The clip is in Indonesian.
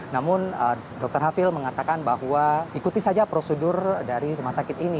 namun dr hafil mengatakan bahwa ikuti saja prosedur dari rumah sakit ini